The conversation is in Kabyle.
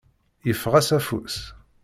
Yeffeɣ-as afus.